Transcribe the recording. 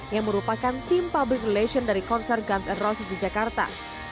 yang merupakan tim public relation dari konser guns ⁇ roses di jakarta